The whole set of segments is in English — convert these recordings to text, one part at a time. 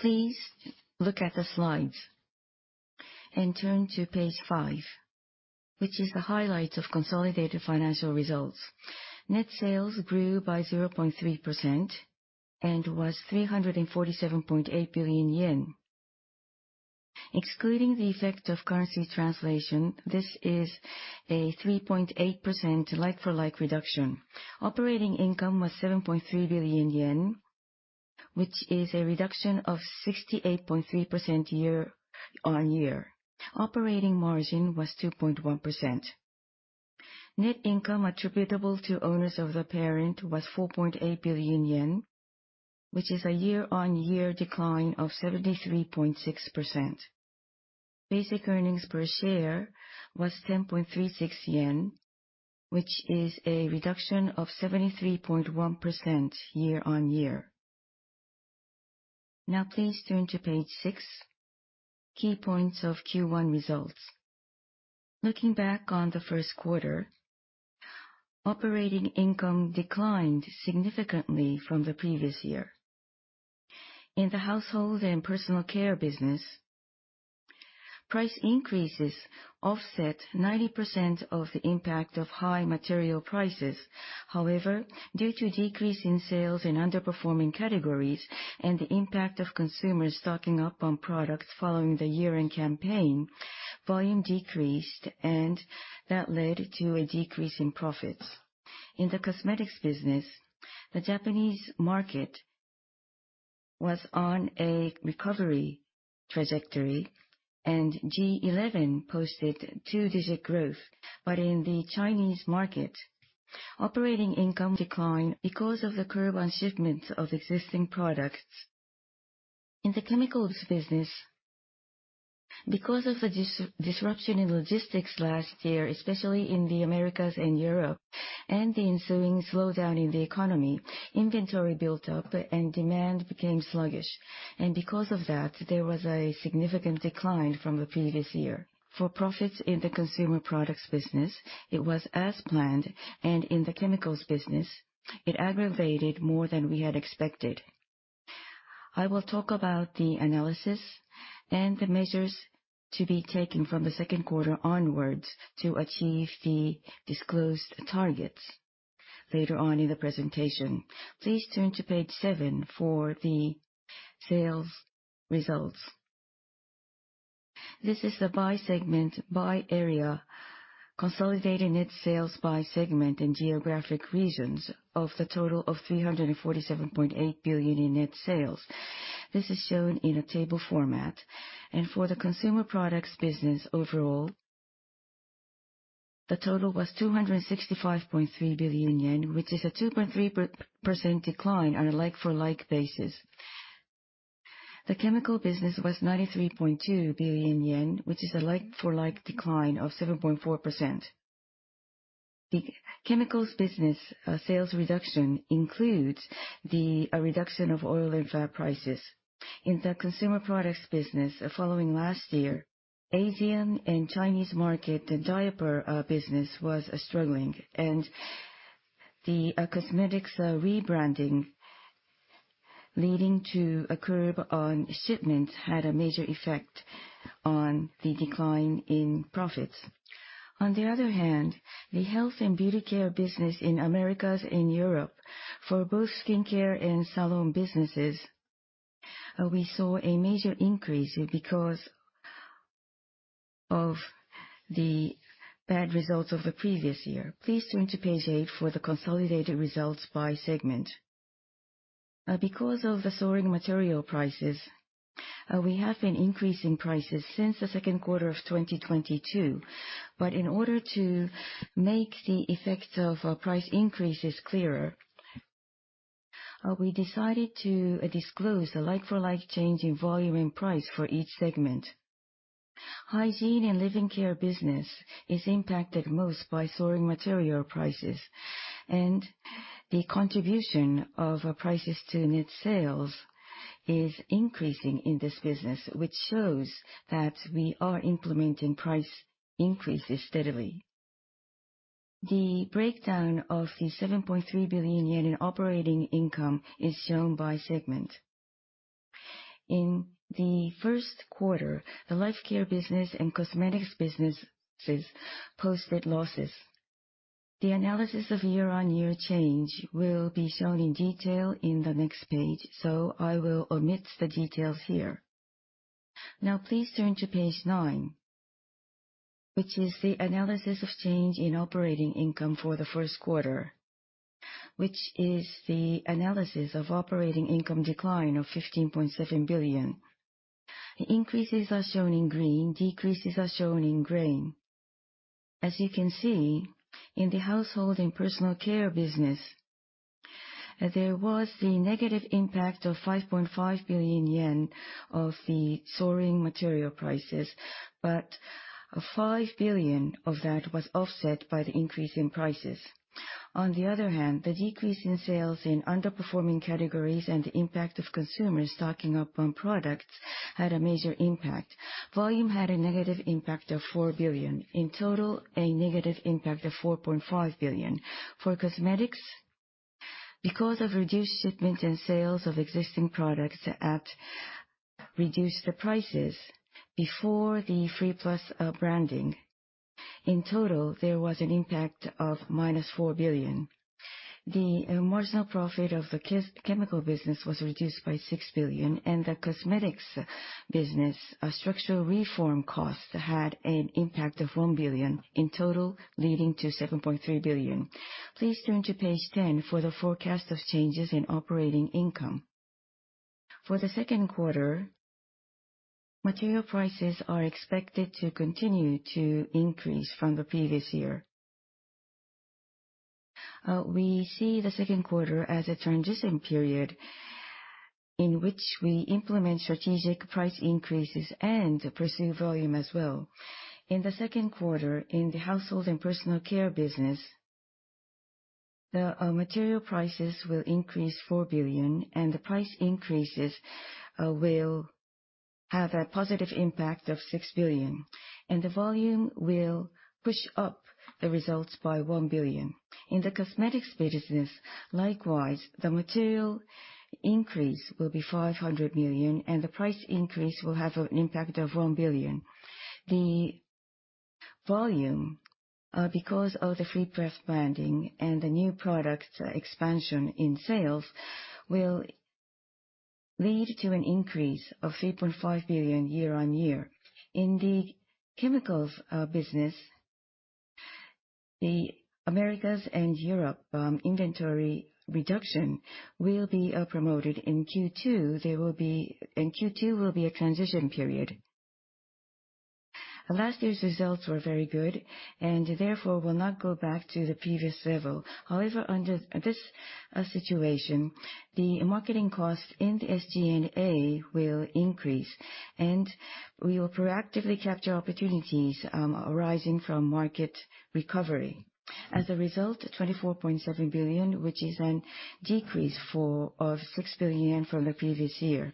Please look at the slides and turn to page five, which is the highlights of consolidated financial results. Net sales grew by 0.3% and was 347.8 billion yen. Excluding the effect of currency translation, this is a 3.8% like-for-like reduction. Operating income was 7.3 billion yen, which is a reduction of 68.3% year-on-year. Operating margin was 2.1%. Net income attributable to owners of the parent was 4.8 billion yen, which is a year-on-year decline of 73.6%. Basic earnings per share was 10.36 yen, which is a reduction of 73.1% year-on-year. Please turn to page six, key points of Q1 results. Looking back on the first quarter, operating income declined significantly from the previous year. In the household and personal care business, price increases offset 90% of the impact of high material prices. Due to decrease in sales in underperforming categories and the impact of consumers stocking up on products following the year-end campaign, volume decreased, and that led to a decrease in profits. In the cosmetics business, the Japanese market was on a recovery trajectory, and G11 posted two-digit growth. In the Chinese market, operating income declined because of the curb on shipments of existing products. In the chemicals business, because of the disruption in logistics last year, especially in the Americas and Europe and the ensuing slowdown in the economy, inventory built up and demand became sluggish. Because of that, there was a significant decline from the previous year. For profits in the consumer products business, it was as planned, and in the chemicals business, it aggravated more than we had expected. I will talk about the analysis and the measures to be taken from the second quarter onwards to achieve the disclosed targets later on in the presentation. Please turn to page seven for the sales results. This is the by segment, by area, consolidated net sales by segment and geographic regions of the total of 347.8 billion in net sales. This is shown in a table format. For the consumer products business overall, the total was 265.3 billion yen, which is a 2.3% decline on a like-for-like basis. The chemical business was 93.2 billion yen, which is a like-for-like decline of 7.4%. The chemicals business sales reduction includes the reduction of oil and fat prices. In the consumer products business following last year, Asian and Chinese market, the diaper business was struggling, and the cosmetics rebranding leading to a curb on shipments, had a major effect on the decline in profits. The health and beauty care business in Americas and Europe, for both skincare and salon businesses, we saw a major increase because of the bad results of the previous year. Please turn to page eight for the consolidated results by segment. Because of the soaring material prices, we have been increasing prices since the second quarter of 2022. In order to make the effect of price increases clearer, we decided to disclose the like-for-like change in volume and price for each segment. Hygiene and living care business is impacted most by soaring material prices. The contribution of prices to net sales is increasing in this business, which shows that we are implementing price increases steadily. The breakdown of the 7.3 billion yen in operating income is shown by segment. In the first quarter, the Life Care Business and cosmetics businesses post net losses. The analysis of year-on-year change will be shown in detail in the next page. I will omit the details here. Please turn to page nine, which is the analysis of change in operating income for the first quarter, which is the analysis of operating income decline of 15.7 billion. Increases are shown in green, decreases are shown in gray. As you can see, in the household and personal care business, there was the negative impact of 5.5 billion yen of the soaring material prices, but 5 billion of that was offset by the increase in prices. On the other hand, the decrease in sales in underperforming categories and the impact of consumers stocking up on products had a major impact. Volume had a negative impact of 4 billion. In total, a negative impact of 4.5 billion. For cosmetics, because of reduced shipments and sales of existing products at reduced prices before the freeplus branding, in total, there was an impact of minus 4 billion. The marginal profit of the chemical business was reduced by 6 billion, and the cosmetics business structural reform costs had an impact of 1 billion in total, leading to 7.3 billion. Please turn to page 10 for the forecast of changes in operating income. For the second quarter, material prices are expected to continue to increase from the previous year. We see the second quarter as a transition period in which we implement strategic price increases and pursue volume as well. In the second quarter, in the household and personal care business, the material prices will increase 4 billion. The price increases will have a positive impact of 6 billion. The volume will push up the results by 1 billion. In the cosmetics business, likewise, the material increase will be 500 million. The price increase will have an impact of 1 billion. The volume, because of the freeplus branding and the new product expansion in sales, will lead to an increase of 3.5 billion year-on-year. In the chemicals business, the Americas and Europe inventory reduction will be promoted. Q2 will be a transition period. Last year's results were very good and therefore will not go back to the previous level. However, under this situation, the marketing costs and the SG&A will increase. We will proactively capture opportunities arising from market recovery. As a result, 24.7 billion, which is a decrease of 6 billion from the previous year.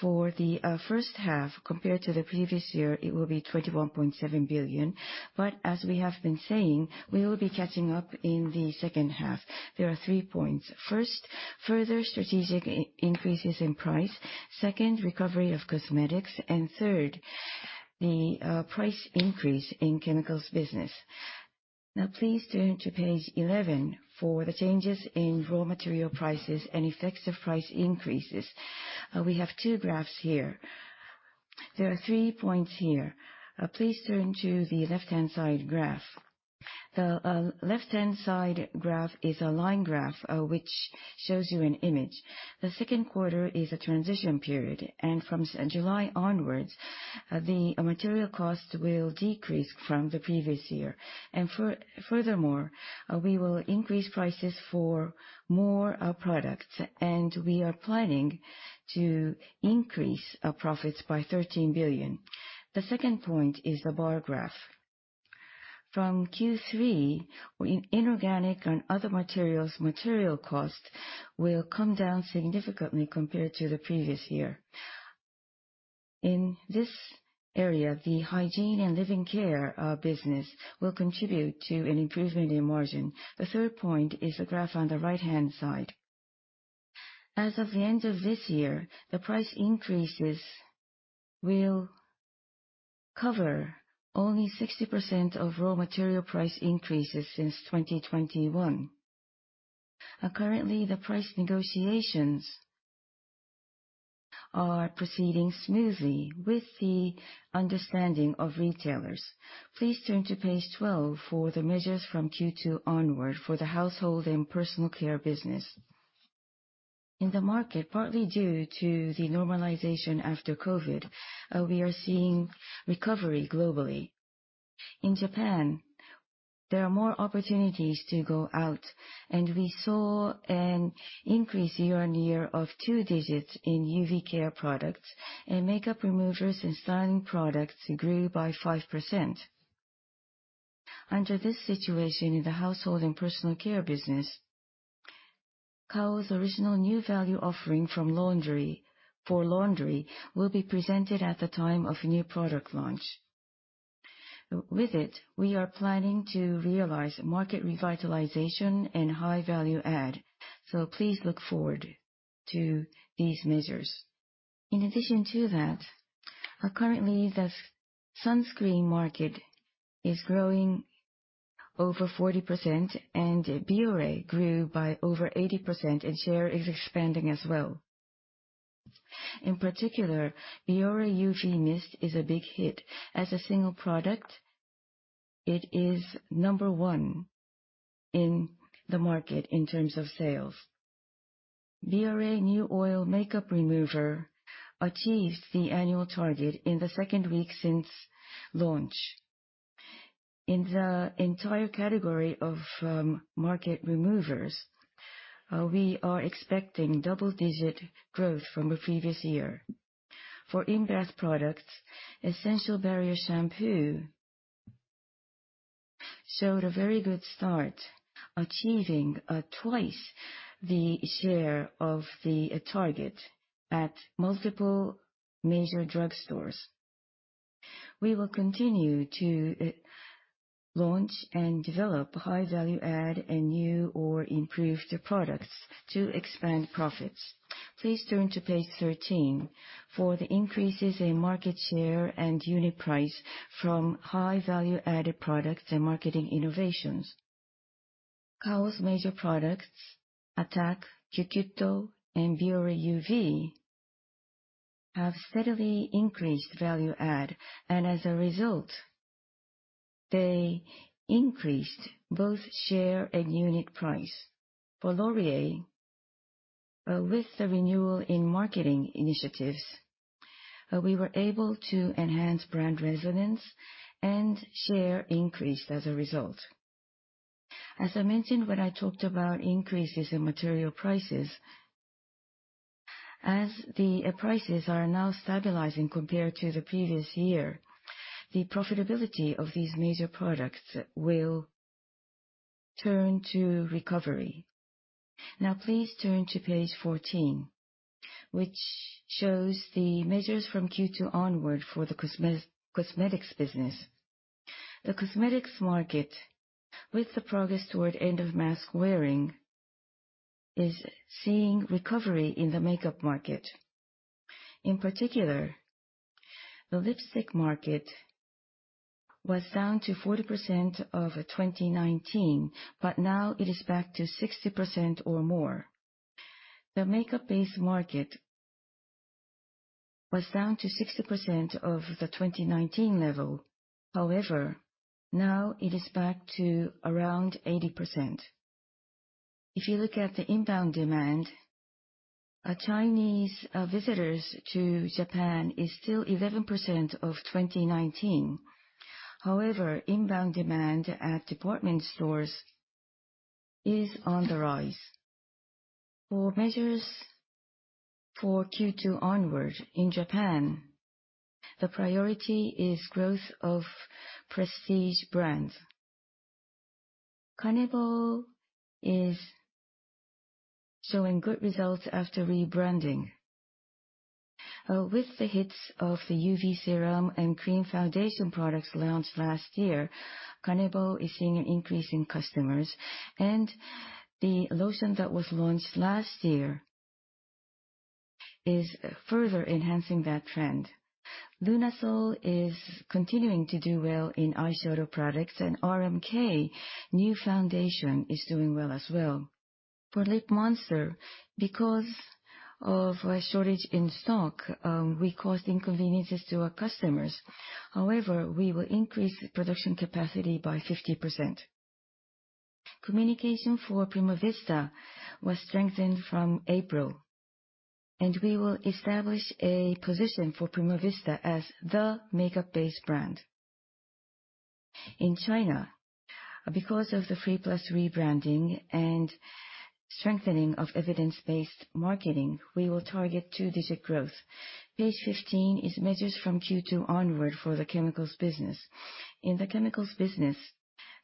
For the first half, compared to the previous year, it will be 21.7 billion. As we have been saying, we will be catching up in the second half. There are three points. First, further strategic increases in price. Second, recovery of cosmetics. Third, the price increase in chemicals business. Please turn to page 11 for the changes in raw material prices and effects of price increases. We have two graphs here. There are three points here. Please turn to the left-hand side graph. The left-hand side graph is a line graph which shows you an image. The second quarter is a transition period. From July onwards, the material cost will decrease from the previous year. Furthermore, we will increase prices for more products, and we are planning to increase our profits by 13 billion. The second point is the bar graph. From Q3, inorganic and other materials, material cost will come down significantly compared to the previous year. In this area, the Life Care Business will contribute to an improvement in margin. The third point is the graph on the right-hand side. As of the end of this year, the price increases will cover only 60% of raw material price increases since 2021. Currently, the price negotiations are proceeding smoothly with the understanding of retailers. Please turn to page 12 for the measures from Q2 onward for the household and personal care business. In the market, partly due to the normalization after COVID, we are seeing recovery globally. In Japan, there are more opportunities to go out, and we saw an increase year-on-year of 2 digits in UV care products, and makeup removers and styling products grew by 5%. Under this situation in the household and personal care business, Kao's original new value offering for laundry will be presented at the time of new product launch. With it, we are planning to realize market revitalization and high value add. Please look forward to these measures. In addition to that, currently the sunscreen market is growing over 40%, and Bioré grew by over 80%, and share is expanding as well. In particular, Bioré UV Mist is a big hit. As a single product, it is number 1 in the market in terms of sales. Bioré New Oil Makeup Remover achieved the annual target in the second week since launch. In the entire category of market removers, we are expecting double-digit growth from the previous year. For in-bath products, Essential Barrier Shampoo showed a very good start, achieving twice the share of the target at multiple major drugstores. We will continue to launch and develop high value add and new or improved products to expand profits. Please turn to page 13 for the increases in market share and unit price from high value added products and marketing innovations. Kao's major products, Attack, CuCute, and Bioré UV, have steadily increased value add, and as a result, they increased both share and unit price. For Laurier, with the renewal in marketing initiatives, we were able to enhance brand resonance, and share increased as a result. As I mentioned when I talked about increases in material prices, as the prices are now stabilizing compared to the previous year, the profitability of these major products will turn to recovery. Please turn to page 14, which shows the measures from Q2 onward for the cosmetics business. The cosmetics market, with the progress toward end of mask wearing, is seeing recovery in the makeup market. In particular, the lipstick market was down to 40% of 2019, but now it is back to 60% or more. The makeup base market was down to 60% of the 2019 level. Now it is back to around 80%. If you look at the inbound demand, Chinese visitors to Japan is still 11% of 2019. Inbound demand at department stores is on the rise. For measures for Q2 onwards in Japan, the priority is growth of prestige brands. KANEBO is showing good results after rebranding. With the hits of the UV serum and cream foundation products launched last year, KANEBO is seeing an increase in customers, and the lotion that was launched last year is further enhancing that trend. LUNASOL is continuing to do well in eyeshadow products, and RMK new foundation is doing well as well. For LIP MONSTER, because of a shortage in stock, we caused inconveniences to our customers. However, we will increase production capacity by 50%. Communication for Primavista was strengthened from April, and we will establish a position for Primavista as the makeup base brand. In China, because of the freeplus rebranding and strengthening of evidence-based marketing, we will target two digit growth. Page 15 is measures from Q2 onward for the chemicals business. In the chemicals business,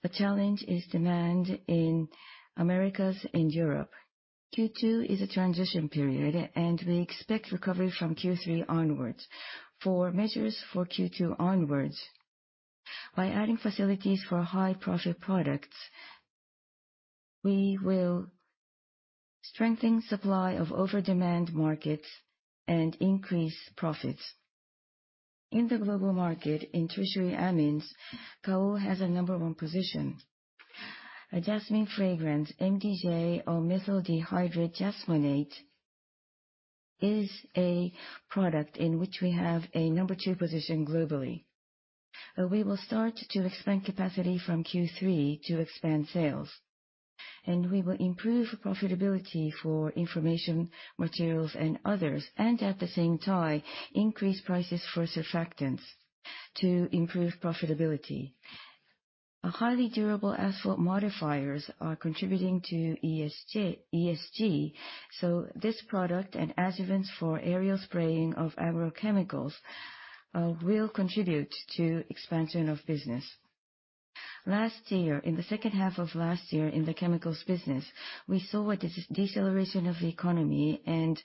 the challenge is demand in Americas and Europe. Q2 is a transition period, and we expect recovery from Q3 onwards. For measures for Q2 onwards, by adding facilities for high profit products, we will strengthen supply of over-demand markets and increase profits. In the global market in tertiary amines, Kao has a number one position. A jasmine fragrance, MDJ or methyl dihydrojasmonate, is a product in which we have a number two position globally. We will start to expand capacity from Q3 to expand sales, and we will improve profitability for information materials and others, and at the same time, increase prices for surfactants to improve profitability. Our highly durable asphalt modifiers are contributing to ESG, so this product and adjuvants for aerial spraying of agrochemicals will contribute to expansion of business. Last year, in the second half of last year in the chemicals business, we saw a deceleration of the economy and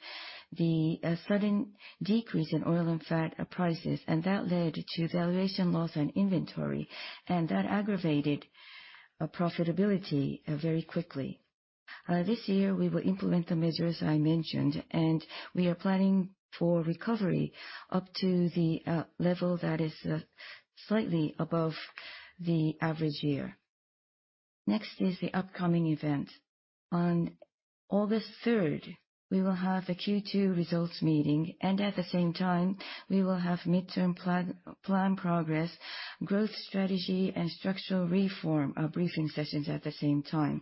the sudden decrease in oil and fat prices, and that led to valuation loss and inventory, and that aggravated profitability very quickly. This year, we will implement the measures I mentioned, and we are planning for recovery up to the level that is slightly above the average year. Next is the upcoming event. On August 3rd, we will have a Q2 results meeting, and at the same time, we will have midterm plan progress, growth strategy, and structural reform briefing sessions at the same time.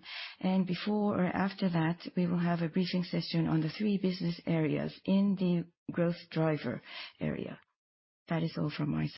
Before or after that, we will have a briefing session on the three business areas in the growth driver area. That is all from my side.